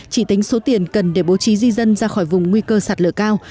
chỉ tính số tiền cần để bố trí di dân ra khỏi vùng nguy cơ sạt lở cao